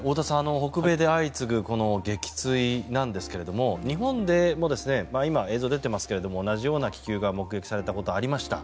北米で相次ぐ撃墜なんですが日本でも今、映像が出ていますけども同じような気球が目撃されたことがありました。